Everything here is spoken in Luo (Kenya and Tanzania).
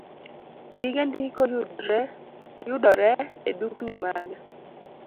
Gige ndiko yudore edukni mage